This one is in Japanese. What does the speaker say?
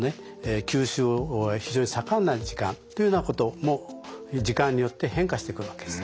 吸収は非常に盛んな時間というようなことも時間によって変化してくるわけです。